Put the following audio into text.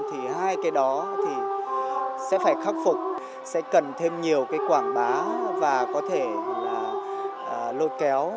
thì hai cái đó thì sẽ phải khắc phục sẽ cần thêm nhiều cái quảng bá và có thể lôi kéo